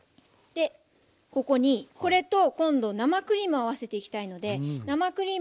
ここにこれと今度生クリームを合わせていきたいので生クリーム